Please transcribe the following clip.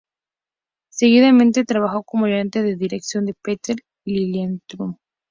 Seguidamente trabajó como ayudante de dirección de Peter Lilienthal.